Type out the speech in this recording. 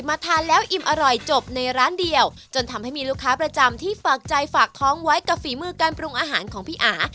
ทานแล้วอิ่มอร่อยจบในร้านเดียวจนทำให้มีลูกค้าประจำที่ฝากใจฝากท้องไว้กับฝีมือการปรุงอาหารของพี่อา